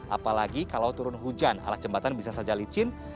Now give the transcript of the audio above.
apalagi kalau turun hujan alas jembatan bisa saja licin